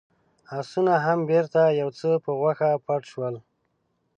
آسونه هم بېرته يو څه په غوښه پټ شول.